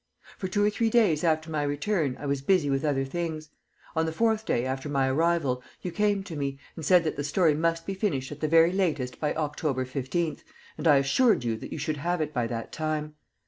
For two or three days after my return I was busy with other things. On the fourth day after my arrival you came to me, and said that the story must be finished at the very latest by October 15th, and I assured you that you should have it by that time.